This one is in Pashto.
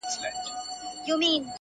جوړ يمه گودر يم ماځيگر تر ملا تړلى يم~